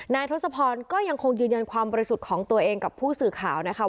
ทศพรก็ยังคงยืนยันความบริสุทธิ์ของตัวเองกับผู้สื่อข่าวนะคะ